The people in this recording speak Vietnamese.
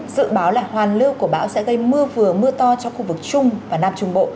dự báo là hoàn lưu của bão sẽ gây mưa vừa mưa to cho khu vực trung và nam trung bộ